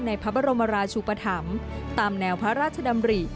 ในพระบรมราชุปธรรมตามแนวพระราชดำริ